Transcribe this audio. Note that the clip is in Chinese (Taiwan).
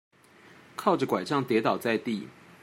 靠著柺杖跌倒在地